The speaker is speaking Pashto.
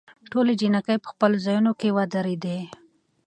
ټولې جینکې په خپلو ځايونوکې ودرېدي.